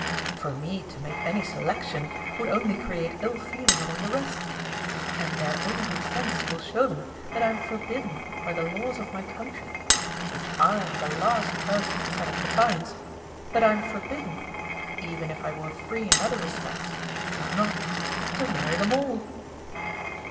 For me to make any selection would only create ill feeling among the rest ; and their own good sense will show them that I am forbidden by the laws of my coun try, Avhich I am the last person to set at defi ance that I am forbidden (even if I were free in other respects, which I am not) to marry them all